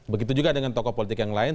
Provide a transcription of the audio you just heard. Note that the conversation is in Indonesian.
begitu juga dengan tokoh politik yang lain